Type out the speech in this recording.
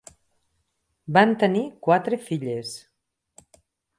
Van tenir quatre filles.